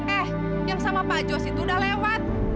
eh yang sama pak jos itu udah lewat